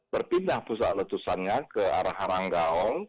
berpindah pusat letusannya ke arah haranggaol